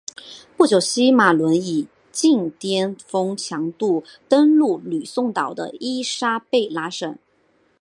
不久西马仑以近颠峰强度登陆吕宋岛的伊莎贝拉省。